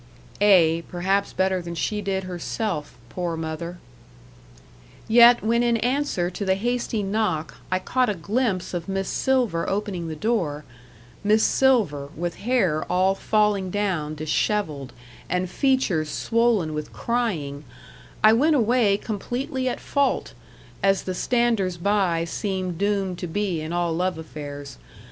Ay, perhaps better than she did herself, poor mother! Yet, when in answer to the hasty knock, I caught a glimpse of Miss Silver opening the door Miss Silver, with hair all falling down dishevelled, and features swollen with crying, I went away completely at fault, as the standers by seemed doomed to be in all love affairs.